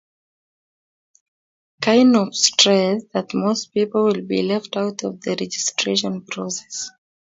Kinobe stressed that most people will be left out of the registration process.